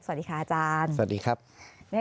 สวัสดีค่ะอาจารย์